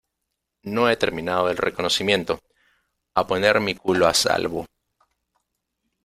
no he terminado el reconocimiento. a poner mi culo a salvo .